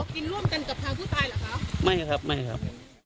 กินร่วมกันกับทางผู้ตายเหรอคะไม่ครับไม่ครับ